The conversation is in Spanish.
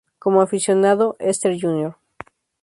Como aficionado, Easter Jr.